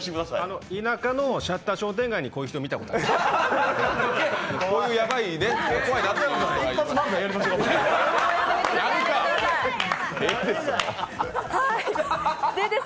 田舎のシャッター商店街で、こういう人見たことあります。